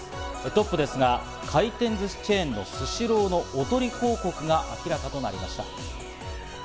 トップですが、回転寿司チェーンのスシローのおとり広告が明らかとなりました。